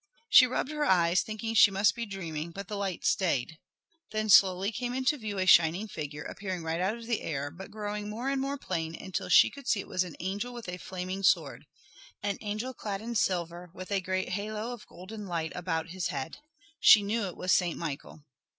She rubbed her eyes, thinking she must be dreaming, but the light stayed. Then slowly came into view a shining figure, appearing right out of the air but growing more and more plain until she could see it was an angel with a flaming sword, an angel clad in silver with a great halo of golden light about his head. She knew it was Saint Michael.